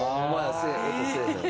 せぇへん！